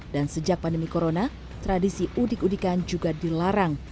dan sejak pandemi corona tradisi udik udikan juga dilarang